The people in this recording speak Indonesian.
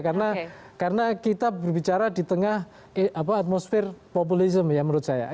karena kita berbicara di tengah atmosfer populisme ya menurut saya